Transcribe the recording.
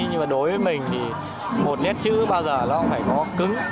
nhưng mà đối với mình thì một nét chữ bao giờ nó phải có cứng